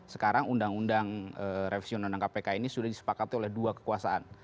sekarang undang undang revisi undang undang kpk ini sudah disepakati oleh dua kekuasaan